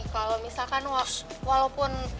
kalau misalkan walaupun